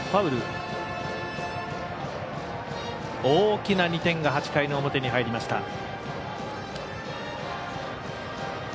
大きな２点が８回の表に入りました。